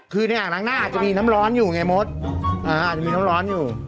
คือในอ่างล้างหน้าอาจจะมีน้ำร้อนอยู่ไงมดอาจจะมีน้ำร้อนอยู่